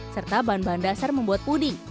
serta bahan bahan dasar membuat puding